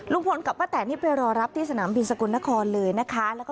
กับป้าแตนนี่ไปรอรับที่สนามบินสกลนครเลยนะคะ